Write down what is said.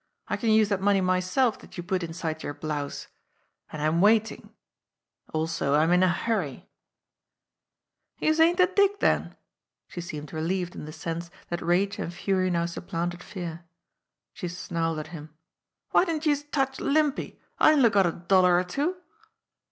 I can use that money myself that you put inside your blouse. And I'm waiting also I'm in a hurry !" "Youse ain't a dick, den!" She seemed relieved in the sense that rage and fury now supplanted fear. She snarled at him. "Why didn't youse touch Limpy? I only got a dollar or two."